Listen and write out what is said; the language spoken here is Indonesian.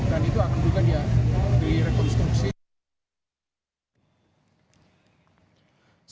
dan itu akan juga direkonstruksi